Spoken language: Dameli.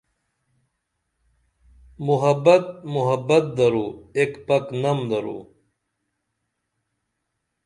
محبت محبت درو ایک پک نم درو